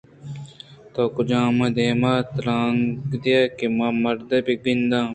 تو کجامن ءَ دیما تیلانک دئے کہ من مرد ءَ بہ گنداں